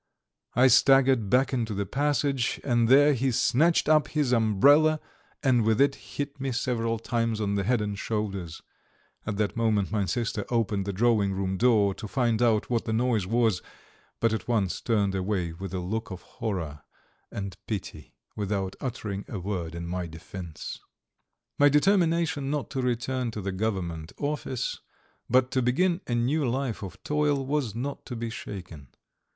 I staggered back into the passage, and there he snatched up his umbrella, and with it hit me several times on the head and shoulders; at that moment my sister opened the drawing room door to find out what the noise was, but at once turned away with a look of horror and pity without uttering a word in my defence. My determination not to return to the Government office, but to begin a new life of toil, was not to be shaken.